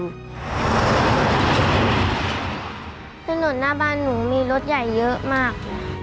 ข้างหล่นหน้าบ้านหนูมีรถใหญ่เยอะมาก